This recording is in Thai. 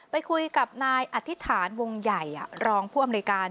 ไปคุยกับนายอธิษฐานวงใหญ่รองผู้อำนวยการ